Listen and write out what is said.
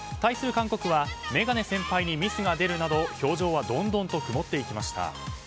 韓国は眼鏡先輩にミスが出るなど、表情はどんどんと曇っていきました。